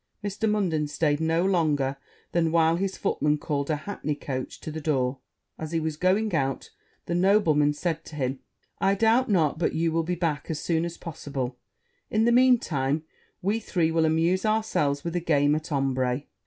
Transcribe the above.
Mr. Munden stayed no longer than while his footman called a hackney coach to the door; as he was going out, the nobleman said to him, 'I doubt not but you will be back as soon as possible; in the mean time we three will amuse ourselves with a game at ombre.'